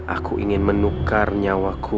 aku ingin menukar nyawaku